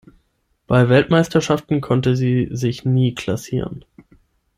Bei Weltmeisterschaften konnte sie sich nie klassieren.